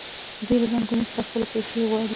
دوی له بانکونو څخه خپلې پیسې غواړي